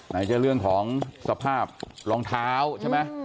ไหนจะเรื่องของสภาพรองเท้าใช่ไหม